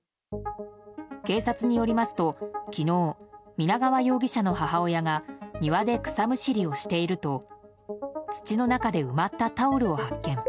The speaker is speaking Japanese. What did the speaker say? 警察によりますと昨日、皆川容疑者の母親が庭で草むしりをしていると土の中で埋まったタオルを発見。